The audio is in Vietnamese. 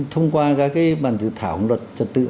thông qua cả cái bản thử thảo luật